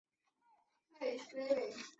后来司马昭以罪诛杀成济一族。